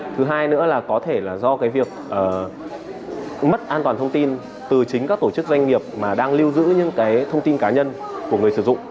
thứ hai nữa là có thể là do cái việc mất an toàn thông tin từ chính các tổ chức doanh nghiệp mà đang lưu giữ những cái thông tin cá nhân của người sử dụng